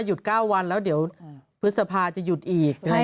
หรือว่าหยุด๙วันแล้วเดี๋ยวพฤษภาจะหยุดอีกอะไรอย่างนั้น